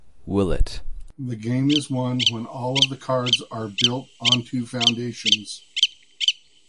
The game is won when all of the cards are built onto the foundations.